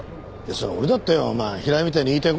そりゃ俺だってよ平井みたいに言いたい。